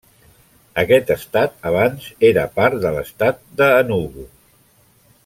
Aquest estat abans era part de l'Estat d'Enugu.